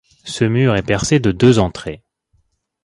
Ce mur est percé de deux entrées.